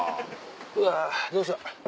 うわどうしよう。